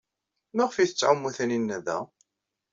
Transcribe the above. Maɣef ay tettɛumu Taninna da?